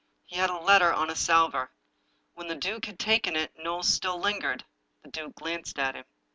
He had a letter •on a salver. When the duke had taken it, Knowles still lingered. The duke glanced at him.